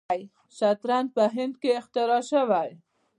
شطرنج په هند کې اختراع شوی.